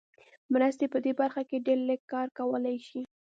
مرستې په دې برخه کې ډېر لږ کار کولای شي.